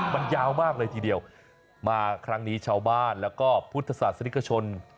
มันยาวมากเลยทีเดียวมาครั้งนี้ชาวบ้านแล้วก็พุทธศาสนิกชน